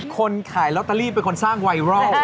คนขายลอตเตอรี่เป็นคนสร้างไวรัล